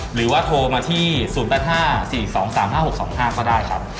หรือว่าโทรมาที่๐๘๕๔๒๓๕๖๒๕ก็ได้ครับ